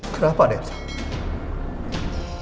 kenapa ada elsa